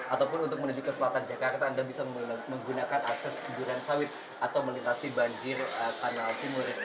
ataupun untuk menuju ke selatan jakarta anda bisa menggunakan akses durian sawit atau melintasi banjir kanal timur